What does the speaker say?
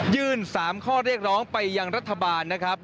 ๓ข้อเรียกร้องไปยังรัฐบาลนะครับ